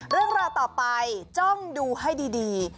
เรื่องราวต่อไปจ้องดูให้ดี